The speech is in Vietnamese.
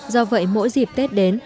do vậy mỗi dịp tết đến